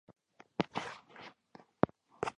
بانک د کورنیو لپاره د سپما کلتور رامنځته کوي.